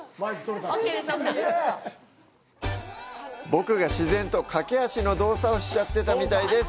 僕が自然と駆け足の動作をしちゃってたみたいです。